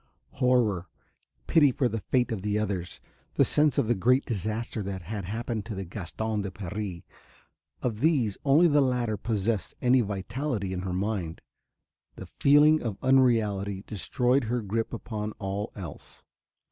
Horror, pity for the fate of the others, the sense of the great disaster that had happened to the Gaston de Paris, of these only the latter possessed any vitality in her mind. The feeling of unreality destroyed her grip upon all else.